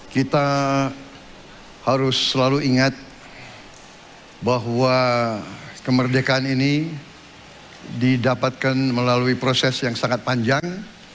kita harus selalu ingat bahwa kemerdekaan ini didapatkan melalui proses yang sangat panjang